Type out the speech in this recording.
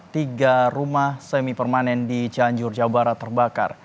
tiga rumah semi permanen di cianjur jawa barat terbakar